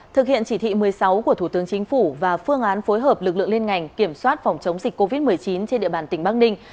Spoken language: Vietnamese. thực hiện chỉ thị một mươi sáu của thủ tướng chính phủ và phương án phối hợp lực lượng liên ngành kiểm soát phòng chống dịch covid một mươi chín trên địa bàn tỉnh bắc ninh